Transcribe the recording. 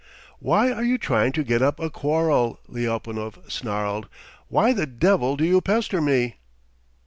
..." "Why are you trying to get up a quarrel?" Lyapunov snarled. "Why the devil do you pester me?"